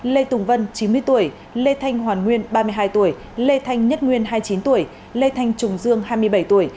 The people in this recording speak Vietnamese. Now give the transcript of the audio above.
lê tùng vân chín mươi tuổi lê thanh hoàn nguyên ba mươi hai tuổi lê thanh nhất nguyên hai mươi chín tuổi lê thanh trùng dương hai mươi bảy tuổi